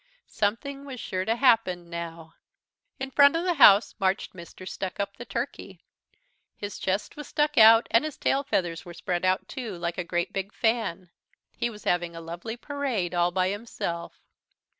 Something was sure to happen now. In front of the house marched Mr. Stuckup, the Turkey. His chest was stuck out and his tail feathers were spread out too, like a great big fan. He was having a lovely parade all by himself.